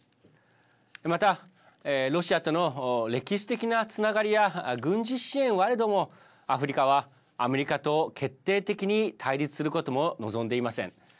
またロシアとの歴史的なつながりや軍事支援はあれどもアフリカは、アメリカと決定的に対立することも望んでいません。